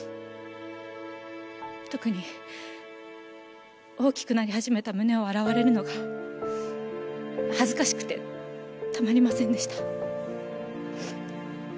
特に大きくなり始めた胸を洗われるのが恥ずかしくてたまりませんでした。